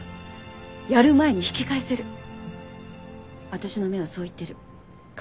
私の目はそう言ってる。